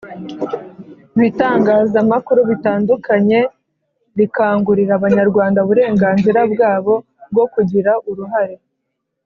bitangazamakuru bitandukanye rikangurira Abanyarwanda uburenganzira bwabo bwo kugira uruhare